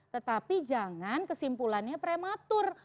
tetapi jangan kesimpulannya prematur